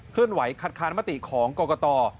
เลื่อนไหวคัดค้านมติของกรกต